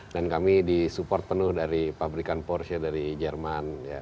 dan kami disupport penuh dari pabrikan porsche dari jerman